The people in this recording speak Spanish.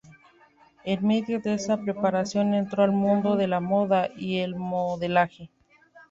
En medio de esa preparación entró al mundo de la moda y el modelaje.